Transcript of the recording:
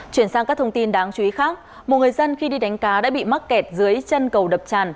chuyển sang các thông tin đáng chú ý khác một người dân khi đi đánh cá đã bị mắc kẹt dưới chân cầu đập tràn